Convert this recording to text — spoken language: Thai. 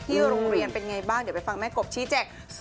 โรงเรียนเป็นไงบ้างเดี๋ยวไปฟังแม่กบชี้แจก